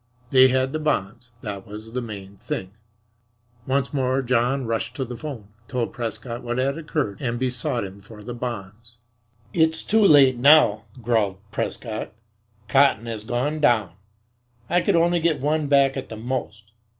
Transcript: They had the bonds that was the main thing. Once more John rushed to the 'phone, told Prescott what had occurred and besought him for the bonds. "It's too late now," growled Prescott. "Cotton has gone down. I could only get one back at the most.